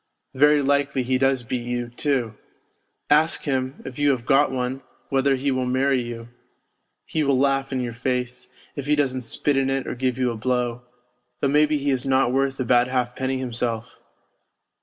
Very likely he does beat you, too. Ask him, if you have got one, whether he will marry you. He will laugh in your face, if he doesn't spit in it or give you a blow though maybe he is not worth a bad halfpenny himself.